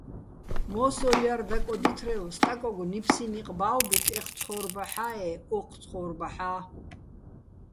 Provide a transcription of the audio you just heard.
მო́სოლ ჲარ დაკოდითრევ სტაკოგო̆ ნიფსიჼ ნიყ ბა́ვბითო̆ ეჴ ცხო́ვრბაჰ̦ა-ე́ ოჴ ცხო́ვრბაჰ̦ა́.